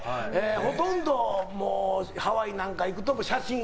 ほとんどハワイなんか行くと写真。